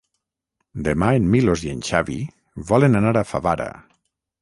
Demà en Milos i en Xavi volen anar a Favara.